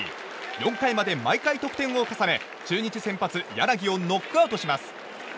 ４回まで毎回得点を重ね中日先発、柳をノックアウトします。